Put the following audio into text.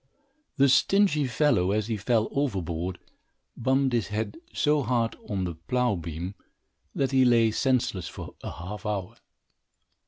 The stingy fellow, as he fell overboard, bumped his head so hard on the plough beam, that he lay senseless for a half hour.